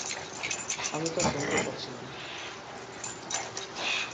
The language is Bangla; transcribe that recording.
আমি তার গন্ধ পাচ্ছিলাম।